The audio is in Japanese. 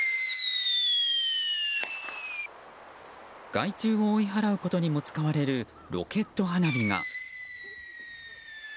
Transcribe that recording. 害獣を追い払うことにも使われるロケット花火が。